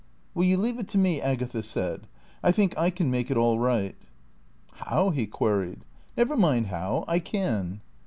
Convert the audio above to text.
"Will you leave it to me?" Agatha said. "I think I can make it all right." "How?" he queried. "Never mind how. I can."